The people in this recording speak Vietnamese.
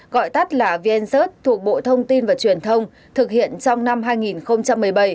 gọi tắt là vncert thuộc bộ thông tin và truyền thông thực hiện trong năm hai nghìn một mươi bảy